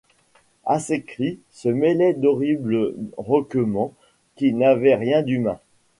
À ces cris se mêlaient d’horribles rauquements qui n’avaient rien d’humain